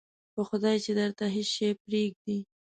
په خدای چې درته هېڅ شی پرېږدي.